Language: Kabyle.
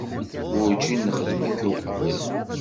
Werǧin nexdem akka uqbel.